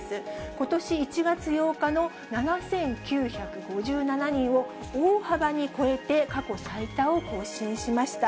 ことし１月８日の７９５７人を大幅に超えて、過去最多を更新しました。